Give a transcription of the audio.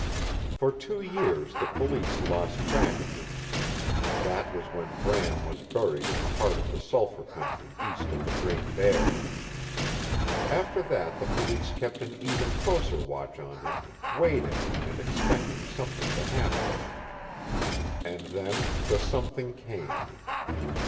For two years the Police lost track of him. That was when Bram was buried in the heart of the Sulphur Country east of the Great Bear. After that the Police kept an even closer watch on him, waiting, and expecting something to happen. And then the something came.